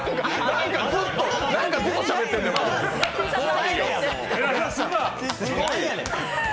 何かずっとしゃべってんねんもん。